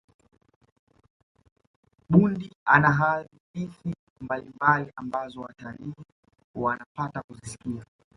bundi ana hadithi mbalimbali ambazo watalii wanapata kuzisikia